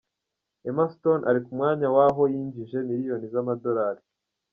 Emma Stone ari ku mwanya wa aho yinjije miliyoni z’amadolari.